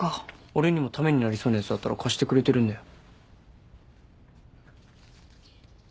俺にもためになりそうなやつあったら貸してくれてるんだよ。